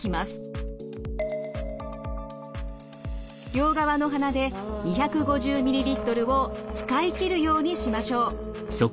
両側の鼻で２５０ミリリットルを使い切るようにしましょう。